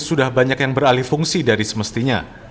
sudah banyak yang beralih fungsi dari semestinya